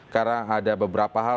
karena ada beberapa hal